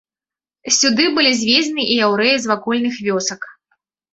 Сюды былі звезены і яўрэі з вакольных вёсак.